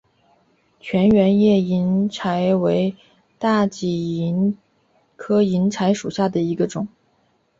全缘叶银柴为大戟科银柴属下的一个种。